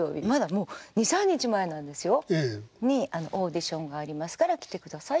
もう２３日前なんですよ？にオーディションがありますから来てくださいっていう。